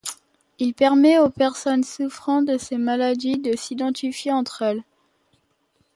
Il permet aux personnes souffrant de ces maladies de s'identifier entre elles.